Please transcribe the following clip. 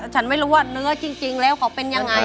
ฉันไม่รู้ว่าเนื้อจริงแล้วเขาเป็นยังไง